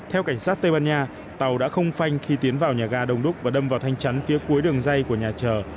theo cảnh sát tây ban nha tàu đã không phanh khi tiến vào nhà ga đồng đúc và đâm vào thanh chắn phía cuối đường dây của nhà chờ